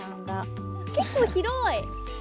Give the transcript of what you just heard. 結構広い！